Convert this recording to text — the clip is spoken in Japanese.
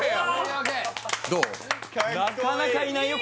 なかなかいないよ